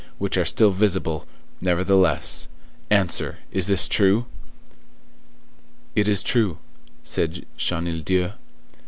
which are still visible, nevertheless; answer, is this true?" "It is true," said Chenildieu.